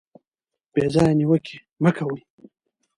بې ځایه نیوکې مه کوئ.